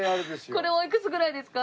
これおいくつぐらいですか？